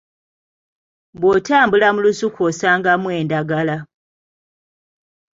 Bw’otambula mu lusuku osangamu endagala.